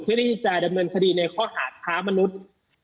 เพื่อที่จะดำเนินคดีในข้อหาค้ามนุษย์